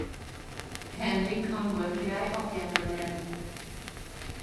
Henrik angol király apjától ered.